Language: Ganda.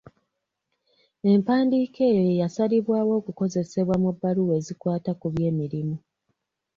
Empandiika eyo ye yasalibwawo okukozesebwanga mu bbaluwa ezikwata ku byemirimu